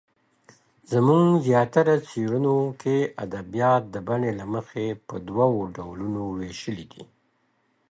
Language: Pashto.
زموږ زیاتره څېړنو کې ادبیات د بڼې له مخې په دوو ډولونو وېشلې دي.